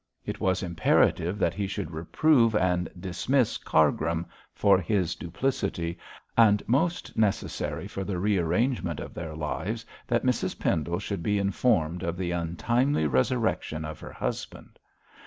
It was imperative that he should reprove and dismiss Cargrim for his duplicity, and most necessary for the rearrangement of their lives that Mrs Pendle should be informed of the untimely resurrection of her husband.